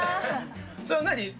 それは何？